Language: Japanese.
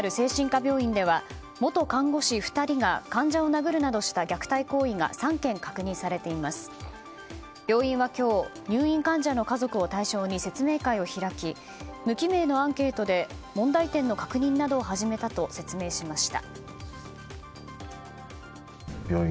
病院は今日、入院患者の家族を対象に説明会を開き無記名のアンケートで問題点の確認などを始めたと説明しました。